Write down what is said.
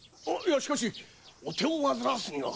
しかしお手を煩わすには。